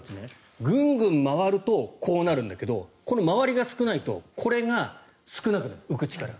ぐんぐん回るとこうなるんだけどこの回りが少ないとこれが少なくなる、浮く力。